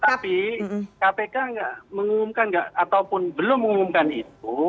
tapi kpk mengumumkan atau belum mengumumkan itu